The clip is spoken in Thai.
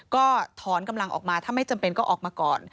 ก็ถอนกำลังออกมาถ้าไม่จำเป็นก็ออกมาก่อน